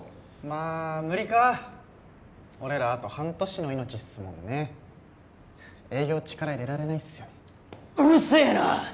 まあ無理か俺らあと半年の命っすもんね営業力入れられないっすよねうるせえな！